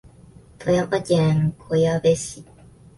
富山県小矢部市